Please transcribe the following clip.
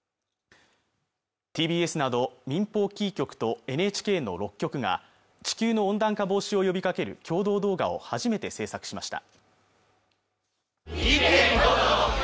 ＴＢＳなど民放キー局とＮＨＫの６局が地球の温暖化防止を呼びかける共同動画を初めて製作しました